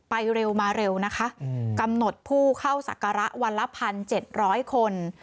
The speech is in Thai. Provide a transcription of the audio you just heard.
เร็วมาเร็วนะคะกำหนดผู้เข้าศักระวันละ๑๗๐๐คน